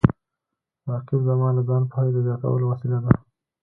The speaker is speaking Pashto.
رقیب زما د ځان پوهې د زیاتولو وسیله ده